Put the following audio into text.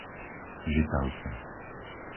Žitavce